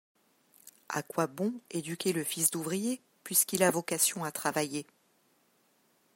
A quoi bon éduquer le fils d'ouvrier, puisqu'il a vocation à travailler